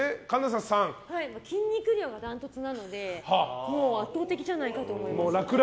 筋肉量もダントツなので圧倒的じゃないかと思います。